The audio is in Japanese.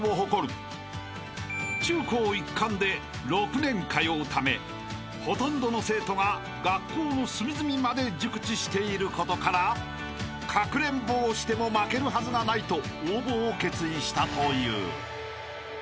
［中高一貫で６年通うためほとんどの生徒が学校の隅々まで熟知していることからかくれんぼをしても負けるはずがないと応募を決意したという］